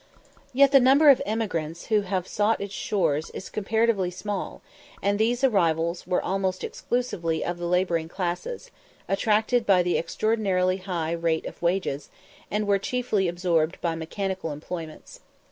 Yet the number of emigrants who have sought its shores is comparatively small, and these arrivals were almost exclusively of the labouring classes, attracted by the extraordinarily high rates of wages, and were chiefly absorbed by mechanical employments.